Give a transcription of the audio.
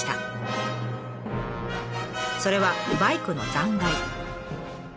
それはバイクの残骸。